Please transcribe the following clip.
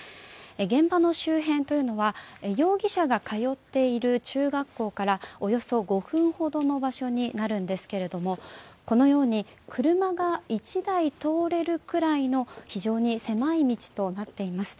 現場の周辺というのは容疑者が通っている中学校からおよそ５分ほどの場所になるんですけれどもこのように車が１台通れるくらいの非常に狭い道となっています。